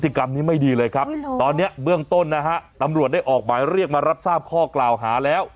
กรรมนี้ไม่ดีเลยครับตอนนี้เบื้องต้นนะฮะตำรวจได้ออกหมายเรียกมารับทราบข้อกล่าวหาแล้ว